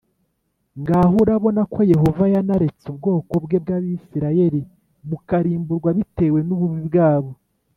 ngaho urabona ko Yehova yanaretse ubwoko bwe bw Abisirayeli bukarimburwa bitewe n ububi bwabo